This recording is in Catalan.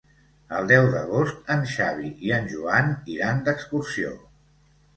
El deu d'agost en Xavi i en Joan iran d'excursió.